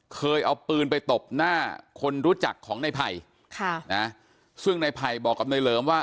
เคยเอาปืนไปตบหน้าคนรู้จักของในไผ่ค่ะนะซึ่งในไผ่บอกกับนายเหลิมว่า